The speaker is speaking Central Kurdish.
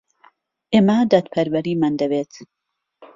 ئێمە دادپەروەریمان دەوێت.